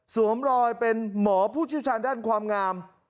สวมรอยเป็นหมอผู้เชี่ยวชาญด้านความงาม